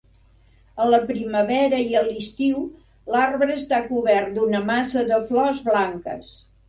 A la primavera i a l'estiu, l'arbre està cobert d'una massa de flors blanques.